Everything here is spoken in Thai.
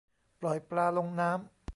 ปล่อยปลาลงน้ำ